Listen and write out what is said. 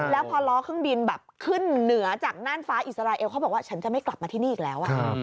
แล้วพอล้อเครื่องบินแบบขึ้นเหนือจากน่านฟ้าอิสราเอลเขาบอกว่าฉันจะไม่กลับมาที่นี่อีกแล้ว